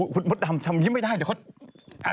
คุณมดดำทำอย่างนี้ไม่ได้เดี๋ยวเขา